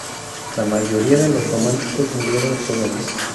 La mayoría de los románticos murieron jóvenes.